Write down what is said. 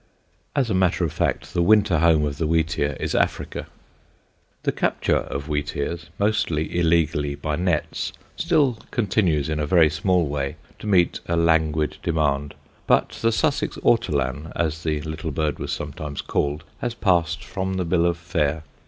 As a matter of fact, the winter home of the wheatear is Africa. [Sidenote: THE SHEPHERDS' TRAPS] The capture of wheatears mostly illegally by nets still continues in a very small way to meet a languid demand, but the Sussex ortolan, as the little bird was sometimes called, has passed from the bill of fare.